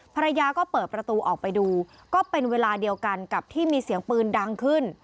ภรรยาก็เปิดประตูออกไปดูก็เป็นเวลาเดียวกันกับที่มีเสียงปืนดังขึ้น